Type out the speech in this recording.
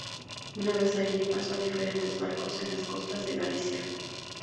Una vez allí, pasó a diferentes barcos en las costas de Galicia.